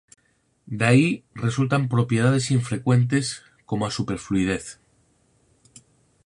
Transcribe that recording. De aí resultan propiedades infrecuentes como a superfluidez.